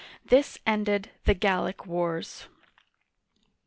This ended the Gallic wars.